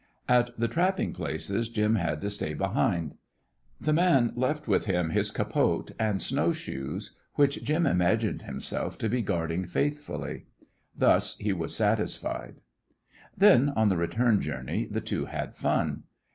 At the trapping places Jim had to stay behind. The man left with him his capote and snow shoes, which Jim imagined himself to be guarding faithfully. Thus he was satisfied. Then on the return journey the two had fun.